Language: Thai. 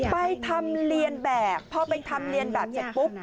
ไปทำเรียนแบบพอไปทำเรียนแบบเสร็จปุ๊บ